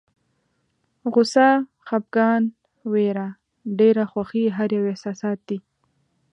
غوسه، خپګان، ویره، ډېره خوښي هر یو احساسات دي.